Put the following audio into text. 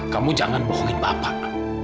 kamu jangan bohongin bapak